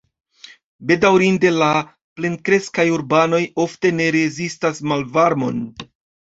Bedaŭrinde la plenkreskaj urbanoj ofte ne rezistas malvarmon.